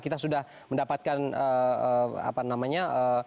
saya ingin menyampaikan apa namanya